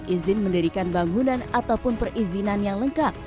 izin mendirikan bangunan ataupun perizinan yang lengkap